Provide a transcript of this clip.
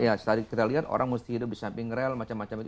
ya tadi kita lihat orang mesti hidup di samping rel macam macam itu